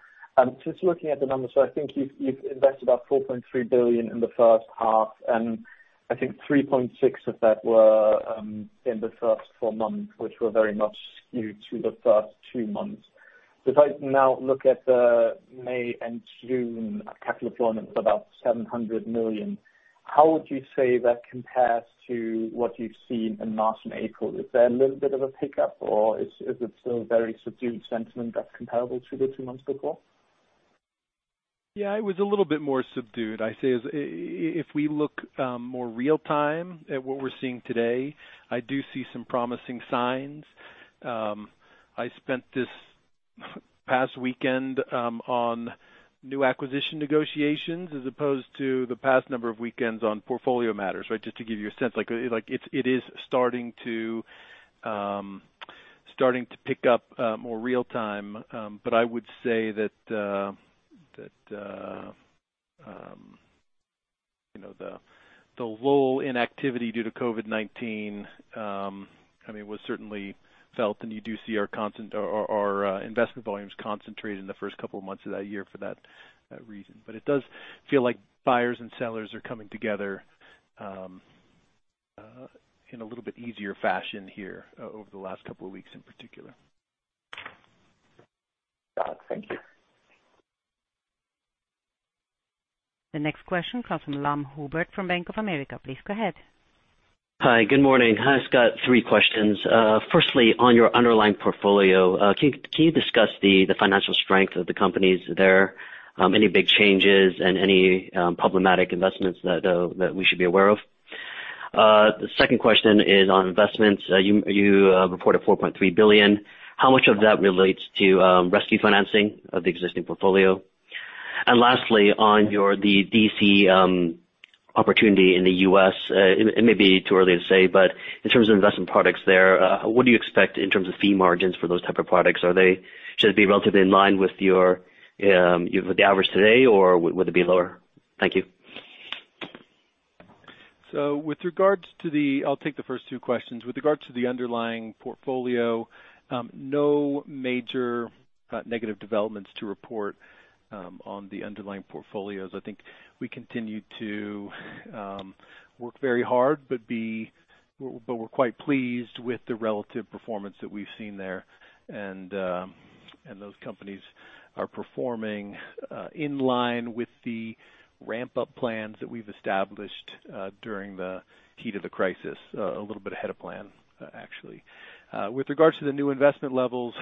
Just looking at the numbers. I think you've invested about 4.3 billion in the first half, and I think 3.6 billion of that were in the first four months, which were very much skewed to the first two months. If I now look at the May and June capital deployment of about 700 million, how would you say that compares to what you've seen in March and April? Is there a little bit of a pickup, or is it still very subdued sentiment that's comparable to the two months before? Yeah, it was a little bit more subdued. I say if we look more real time at what we're seeing today, I do see some promising signs. I spent this past weekend on new acquisition negotiations as opposed to the past number of weekends on portfolio matters. Just to give you a sense, it is starting to pick up more real time. I would say that the lull in activity due to COVID-19 certainly was felt, and you do see our investment volumes concentrated in the first couple of months of that year for that reason. It does feel like buyers and sellers are coming together in a little bit easier fashion here over the last couple of weeks in particular. Got it. Thank you. The next question comes from Hubert Lam from Bank of America. Please go ahead. Hi. Good morning. Hi, Scott. Three questions. Firstly, on your underlying portfolio, can you discuss the financial strength of the companies there? Any big changes and any problematic investments that we should be aware of? The second question is on investments. You reported 4.3 billion. How much of that relates to rescue financing of the existing portfolio? Lastly, on the D.C. opportunity in the U.S. It may be too early to say, but in terms of investment products there, what do you expect in terms of fee margins for those type of products? Should they be relatively in line with the average today, or would they be lower? Thank you. I'll take the first two questions. With regards to the underlying portfolio, no major negative developments to report on the underlying portfolios. I think we continue to work very hard, but we're quite pleased with the relative performance that we've seen there. Those companies are performing in line with the ramp-up plans that we've established during the heat of the crisis. A little bit ahead of plan, actually. With regards to the new investment levels,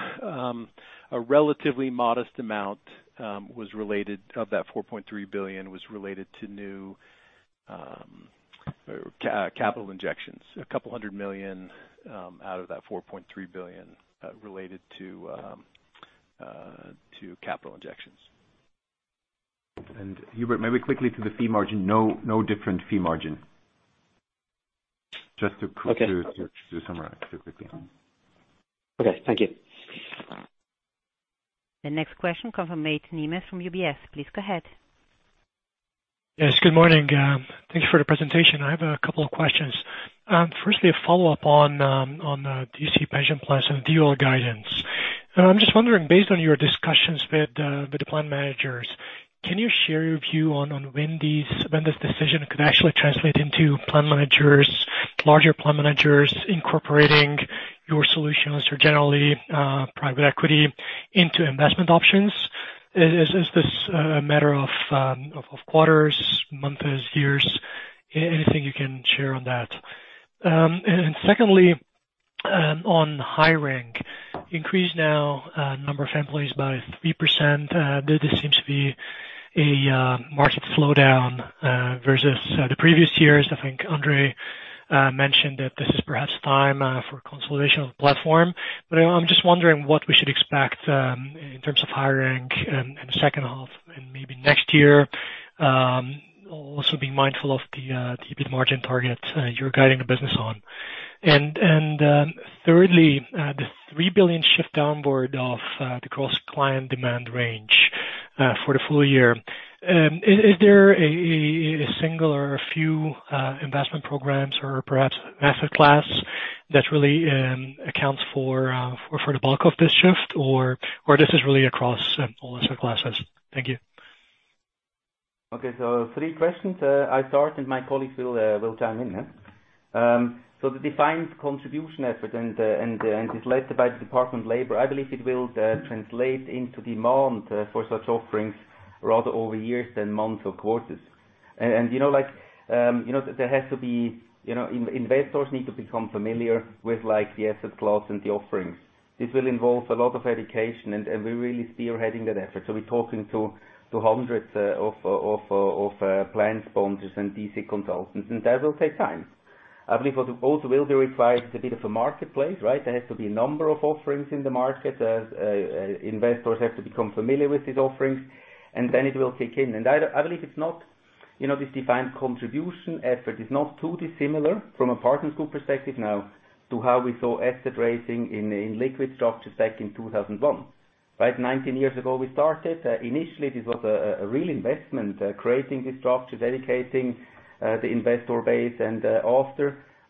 a relatively modest amount of that 4.3 billion was related to new capital injections. A couple 100 million out of that 4.3 billion related to capital injections. Hubert, maybe quickly to the fee margin. No different fee margin. Just to summarize quickly. Okay. Thank you. The next question comes from Mate Nemes from UBS. Please go ahead. Yes, good morning. Thank you for the presentation. I have a couple of questions. A follow-up on D.C. pension plans and DOL guidance. I'm just wondering, based on your discussions with the plan managers, can you share your view on when this decision could actually translate into larger plan managers incorporating your solutions or generally private equity into investment options? Is this a matter of quarters, months, years? Anything you can share on that. Secondly, on hiring. Increased now number of employees by 3%. There seems to be a market slowdown versus the previous years. I think André mentioned that this is perhaps time for consolidation of the platform. I'm just wondering what we should expect in terms of hiring in the second half and maybe next year. Also being mindful of the EBIT margin target you're guiding the business on. Thirdly, the 3 billion shift downward of the gross client demand range for the full year, is there a single or a few investment programs or perhaps asset class that really accounts for the bulk of this shift, or this is really across all asset classes? Thank you. Okay. Three questions. I start, and my colleagues will chime in. The defined contribution effort and it's led by the Department of Labor. I believe it will translate into demand for such offerings rather over years than months or quarters. Investors need to become familiar with the asset class and the offerings. This will involve a lot of education, and we're really spearheading that effort. We're talking to hundreds of plan sponsors and DC consultants. That will take time. I believe what also will be required is a bit of a marketplace, right? There has to be a number of offerings in the market as investors have to become familiar with these offerings. Then it will kick in. I believe it's not. This defined contribution effort is not too dissimilar from a Partners Group perspective now to how we saw asset raising in liquid structures back in 2001. 19 years ago, we started. Initially, this was a real investment, creating this structure, dedicating the investor base.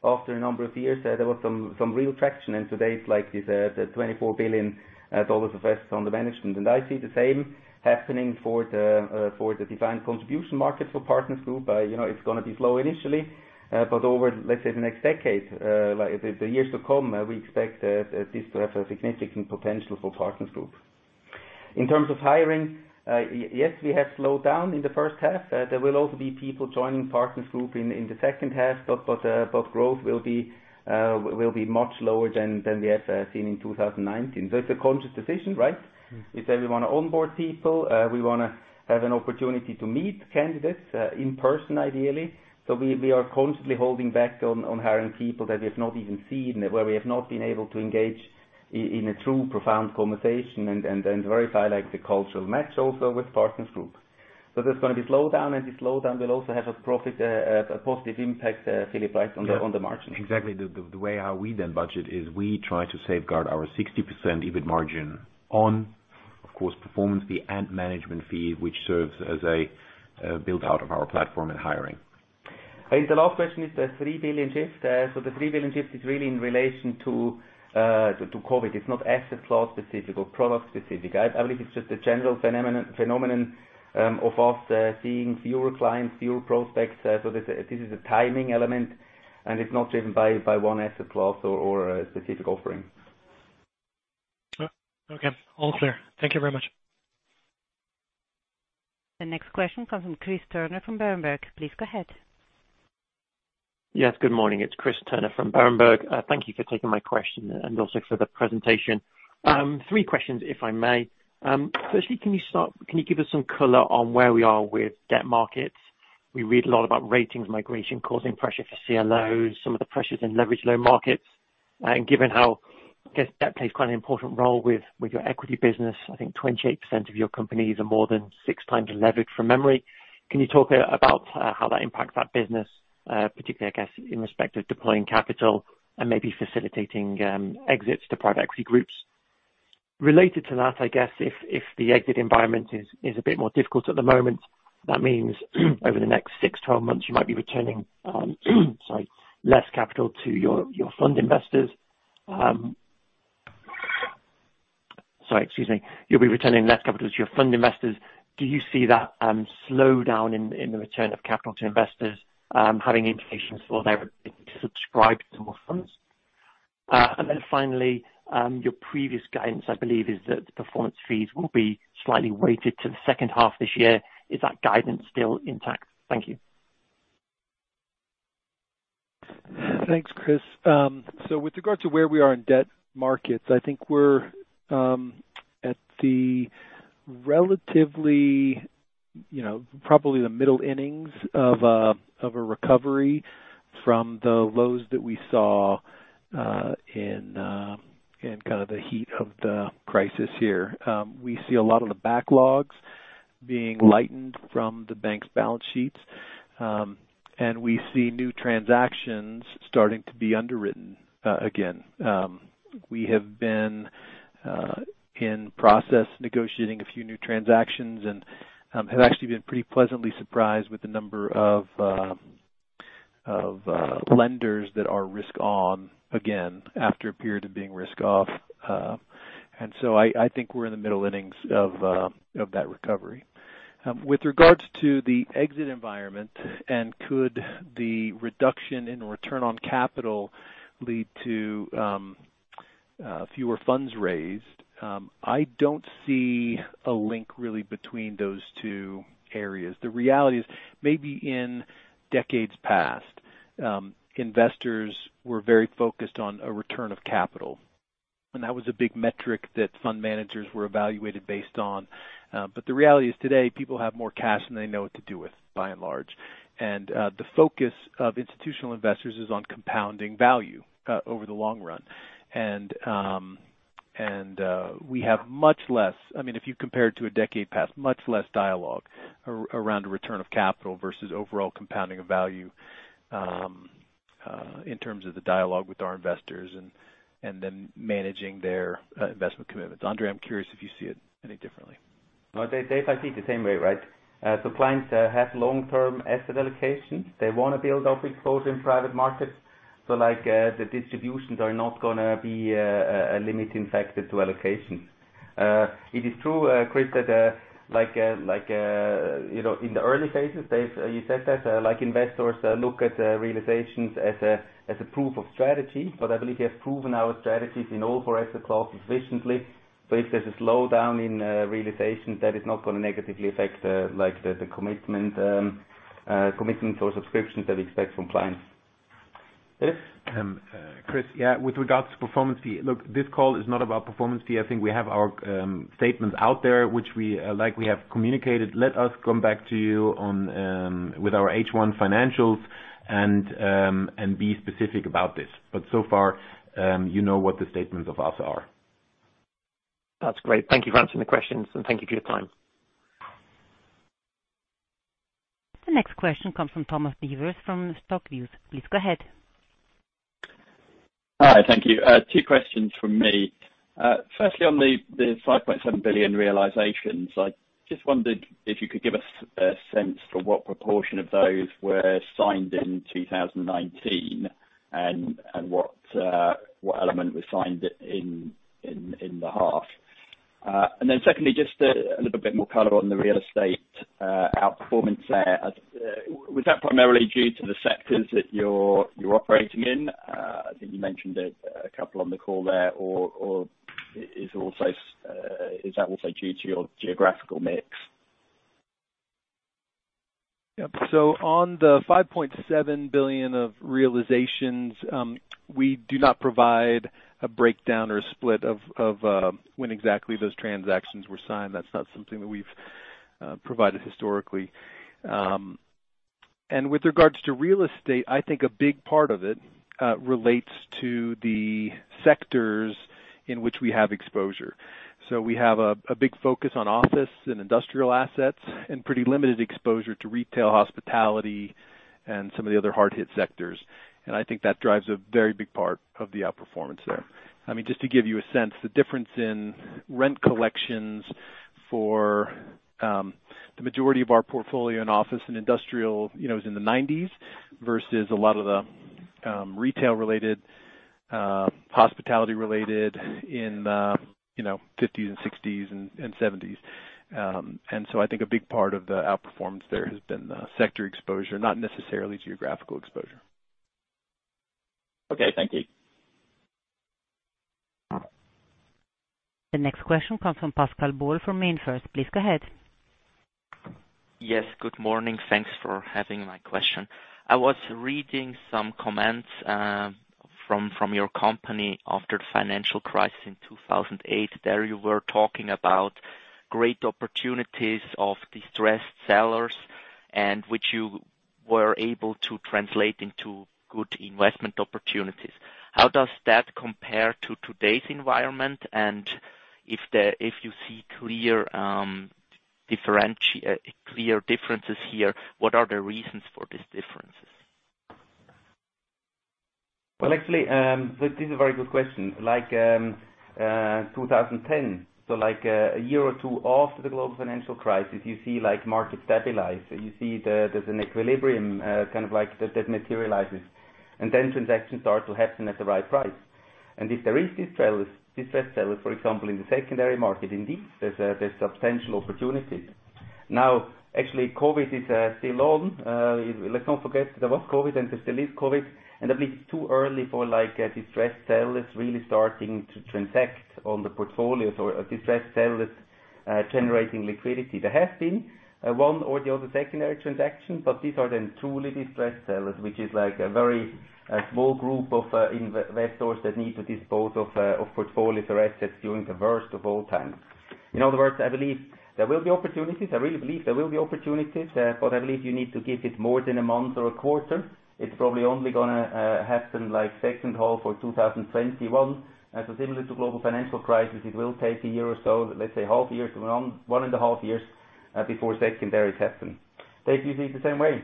After a number of years, there was some real traction, and today it's like this CHF 24 billion invested under management. I see the same happening for the defined contribution market for Partners Group. It's going to be slow initially, but over, let's say the next decade, the years to come, we expect this to have a significant potential for Partners Group. In terms of hiring, yes, we have slowed down in the first half. There will also be people joining Partners Group in the second half, but growth will be much lower than we have seen in 2019. It's a conscious decision, right? Is that we want to onboard people. We want to have an opportunity to meet candidates in person, ideally. We are constantly holding back on hiring people that we have not even seen, where we have not been able to engage in a true, profound conversation and verify the cultural match also with Partners Group. There's going to be a slowdown, and the slowdown will also have a positive impact, Philip, right, on the margins. Exactly. The way how we then budget is we try to safeguard our 60% EBIT margin on, of course, performance fee and management fee, which serves as a build-out of our platform and hiring. The last question is the $3 billion shift. The $3 billion shift is really in relation to COVID. It's not asset class specific or product specific. I believe it's just a general phenomenon of us seeing fewer clients, fewer prospects. This is a timing element, and it's not driven by one asset class or a specific offering. Okay. All clear. Thank you very much. The next question comes from Chris Turner from Berenberg. Please go ahead. Yes, good morning. It's Chris Turner from Berenberg. Thank you for taking my question and also for the presentation. Three questions, if I may. Firstly, can you give us some color on where we are with debt markets? We read a lot about ratings migration causing pressure for CLOs, some of the pressures in leverage loan markets. Given how, I guess, debt plays quite an important role with your equity business. I think 28% of your companies are more than six times leveraged from memory. Can you talk about how that impacts that business, particularly, I guess, in respect of deploying capital and maybe facilitating exits to private equity groups? Related to that, I guess if the exit environment is a bit more difficult at the moment, that means over the next six, 12 months, you might be returning less capital to your fund investors. Excuse me. You'll be returning less capital to your fund investors. Do you see that slowdown in the return of capital to investors having implications for their ability to subscribe to more funds? Finally, your previous guidance, I believe, is that the performance fees will be slightly weighted to the second half of this year. Is that guidance still intact? Thank you. Thanks, Chris. With regard to where we are in debt markets, I think we're at the relatively, probably the middle innings of a recovery from the lows that we saw in the heat of the crisis here. We see a lot of the backlogs being lightened from the bank's balance sheets. We see new transactions starting to be underwritten again. We have been in process negotiating a few new transactions and have actually been pretty pleasantly surprised with the number of lenders that are risk on again after a period of being risk off. I think we're in the middle innings of that recovery. With regards to the exit environment and could the reduction in return on capital lead to fewer funds raised, I don't see a link really between those two areas. The reality is maybe in decades past, investors were very focused on a return of capital, and that was a big metric that fund managers were evaluated based on. The reality is today, people have more cash than they know what to do with, by and large. The focus of institutional investors is on compounding value over the long run. We have much less, if you compare it to a decade past, much less dialogue around a return of capital versus overall compounding of value in terms of the dialogue with our investors and then managing their investment commitments. André, I'm curious if you see it any differently. No, Dave, I see it the same way. Clients have long-term asset allocation. They want to build up exposure in private markets. Like the distributions are not going to be a limiting factor to allocations. It is true, Chris, that in the early phases, Dave, you said that investors look at realizations as a proof of strategy, but I believe we have proven our strategies in all four asset classes efficiently. If there's a slowdown in realization, that is not going to negatively affect the commitment or subscriptions that we expect from clients. Philippe? Chris, with regards to performance fee, look, this call is not about performance fee. I think we have our statements out there, which we likely have communicated. Let us come back to you with our H1 financials and be specific about this. So far, you know what the statements of us are. That's great. Thank you for answering the questions, and thank you for your time. The next question comes from Thomas Beavers from StockViews. Please go ahead. Hi. Thank you. Two questions from me. Firstly, on the 5.7 billion realizations, I just wondered if you could give us a sense for what proportion of those were signed in 2019, and what element was signed in the half. Secondly, just a little bit more color on the real estate outperformance there. Was that primarily due to the sectors that you're operating in? I think you mentioned a couple on the call there. Is that also due to your geographical mix? Yep. On the 5.7 billion of realizations, we do not provide a breakdown or a split of when exactly those transactions were signed. That's not something that we've provided historically. With regards to real estate, I think a big part of it relates to the sectors in which we have exposure. We have a big focus on office and industrial assets and pretty limited exposure to retail hospitality and some of the other hard hit sectors, and I think that drives a very big part of the outperformance there. Just to give you a sense, the difference in rent collections for the majority of our portfolio and office and industrial is in the 90s versus a lot of the retail related, hospitality related in the 50s and 60s and 70s. I think a big part of the outperformance there has been the sector exposure, not necessarily geographical exposure. Okay. Thank you. The next question comes from Pascal Böhni from MainFirst. Please go ahead. Yes. Good morning. Thanks for having my question. I was reading some comments from your company after the financial crisis in 2008. There you were talking about great opportunities of distressed sellers, and which you were able to translate into good investment opportunities. How does that compare to today's environment? If you see clear differences here, what are the reasons for these differences? Well, actually, this is a very good question. Like 2010, so like a year or two after the global financial crisis, you see market stabilize. You see there's an equilibrium, kind of like that materializes. Transactions start to happen at the right price. If there is distressed sellers, for example, in the secondary market, indeed, there's substantial opportunities. Now, actually, COVID is still on. Let's not forget there was COVID and there still is COVID, and I believe it's too early for distressed sellers really starting to transact on the portfolios or distressed sellers generating liquidity. There have been one or the other secondary transactions, these are then truly distressed sellers, which is a very small group of investors that need to dispose off portfolios or assets during the worst of all times. In other words, I believe there will be opportunities. I really believe there will be opportunities. I believe you need to give it more than a month or a quarter. It's probably only going to happen second half of 2021. Similar to global financial crisis, it will take a year or so, let's say half a year to one and a half years, before secondaries happen. Dave, do you see it the same way?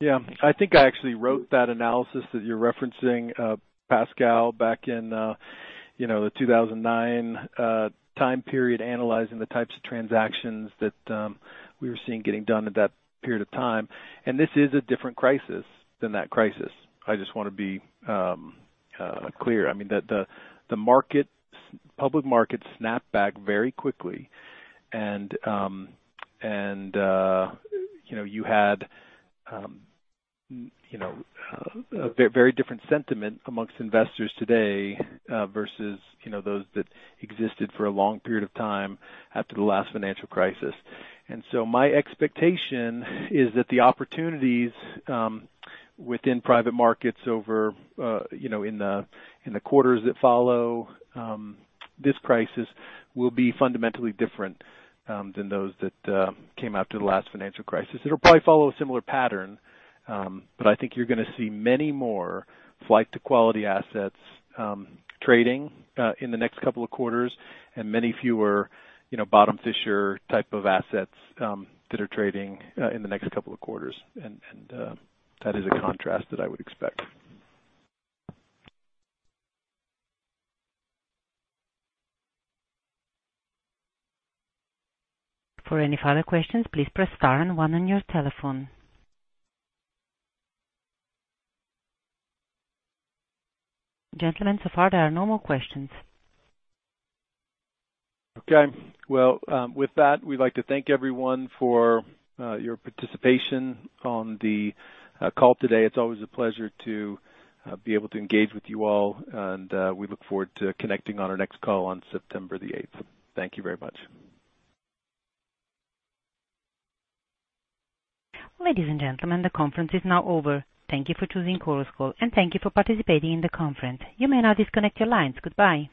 Yeah. I think I actually wrote that analysis that you're referencing, Pascal, back in the 2009 time period, analyzing the types of transactions that we were seeing getting done at that period of time. This is a different crisis than that crisis. I just want to be clear. The public markets snap back very quickly, and you had a very different sentiment amongst investors today, versus those that existed for a long period of time after the last financial crisis. My expectation is that the opportunities within private markets over in the quarters that follow this crisis will be fundamentally different than those that came after the last financial crisis. It'll probably follow a similar pattern. I think you're going to see many more flight to quality assets trading in the next couple of quarters and many fewer bottom fisher type of assets that are trading in the next couple of quarters. That is a contrast that I would expect. For any further questions, please press star and one on your telephone. Gentlemen, so far there are no more questions. Okay. Well, with that, we'd like to thank everyone for your participation on the call today. It's always a pleasure to be able to engage with you all. We look forward to connecting on our next call on September the 8th. Thank you very much. Ladies and gentlemen, the conference is now over. Thank you for choosing Chorus Call, and thank you for participating in the conference. You may now disconnect your lines. Goodbye.